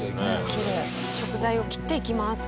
食材を切っていきます。